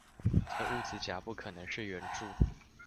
則物質甲不可能是元素